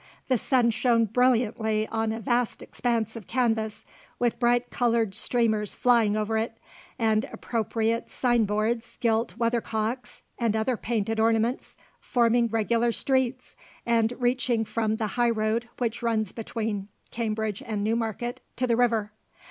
The sun shone brilliantly on a vast expanse of canvas, with bright coloured streamers flying over it, and appropriate sign boards, gilt weathercocks, and other painted ornaments, forming regular streets, and reaching from the high road which runs between Cambridge and Newmarket to the river.